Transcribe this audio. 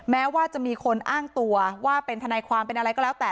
แม้ว่าจะมีคนอ้างตัวว่าเป็นทนายความเป็นอะไรก็แล้วแต่